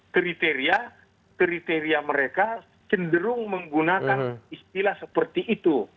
kriteria kriteria mereka cenderung menggunakan istilah seperti itu